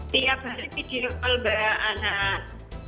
tiap hari video call mbak anan